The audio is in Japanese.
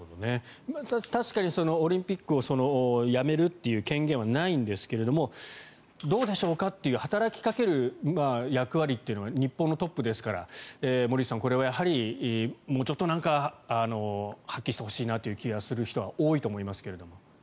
確かにオリンピックをやめるという権限はないんですけれどもどうでしょうか？という働きかける役割というのは日本のトップですから森内さん、これはやはりもうちょっと何か発揮してほしいなという気がする人は多いと思いますけれど。